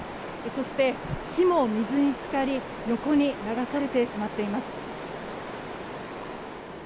そして、木も水に浸かり横に流されてしまっています。